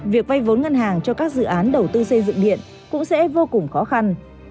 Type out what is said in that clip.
việc vay vốn ngân hàng cho các dự án đầu tư xây dựng điện cũng sẽ vô cùng khó khăn